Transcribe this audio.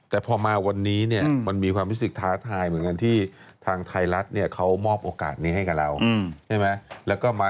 แต่พอมาวันนี้สิเงียมมีความรู้สึกท้าทายเหมือนกันที่ทางทายลัดเขามอบโอกาสนี้ให้กับเรา